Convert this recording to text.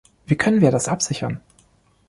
Wie können wir das absichern?